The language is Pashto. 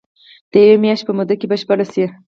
د يوې مياشتي په موده کي بشپړي سي.